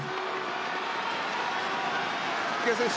池江選手